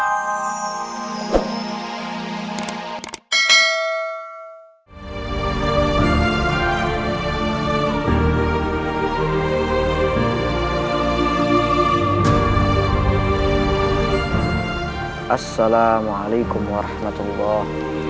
assalamualaikum warahmatullahi wabarakatuh